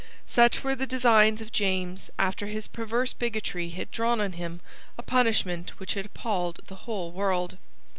Such were the designs of James after his perverse bigotry had drawn on him a punishment which had appalled the whole world.